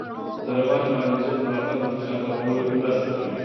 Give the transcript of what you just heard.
د رواني معالجې ملاتړ د فشار کمولو کې مرسته کوي.